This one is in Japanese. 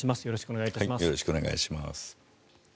よろしくお願いします。